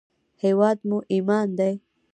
هېواد مو ایمان دی